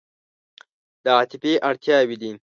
دا عاطفي اړتیاوې دي.